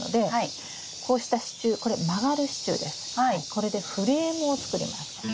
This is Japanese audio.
これでフレームを作ります。